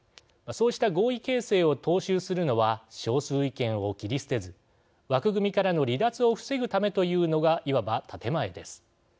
そうした合意形成を踏襲するのは少数意見を切り捨てず枠組みからの離脱を防ぐためというのが、いわば建て前です。